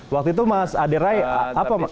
waktu itu mas aderai apa